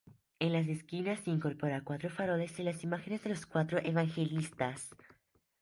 En las esquinas incorpora cuatro faroles y las imágenes de los cuatro evangelistas.